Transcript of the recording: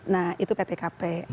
nah itu pt kp